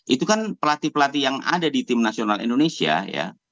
itu kan pelatih pelatih yang ada di tim nasional indonesia ya